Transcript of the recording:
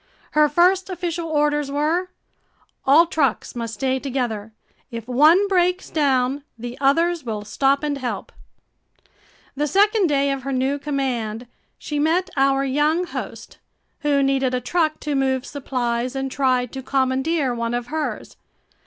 Her first official orders were: All trucks must stay together. If one breaks down, the others will stop and help. The second day of her new command, she met our young host, who needed a truck to move supplies and tried to commandeer one of hers.